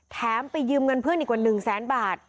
แถมไปยืมเงินเพื่อนอีกกว่า๑แสนบาท